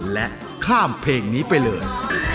และข้ามเพลงนี้ไปเลย